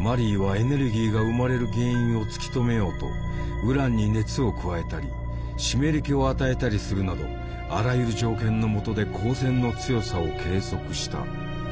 マリーはエネルギーが生まれる原因を突き止めようとウランに熱を加えたり湿り気を与えたりするなどあらゆる条件のもとで光線の強さを計測した。